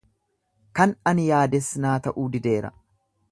Kan ani yaades na ta'uu dideera